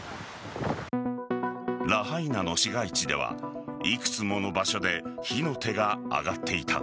ラハイナの市街地ではいくつもの場所で火の手が上がっていた。